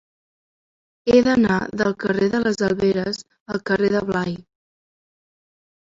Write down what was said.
He d'anar del carrer de les Alberes al carrer de Blai.